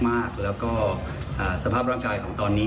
มากแล้วก็สภาพร่างกายของตอนนี้